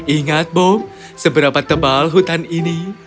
ingat bom seberapa tebal hutan ini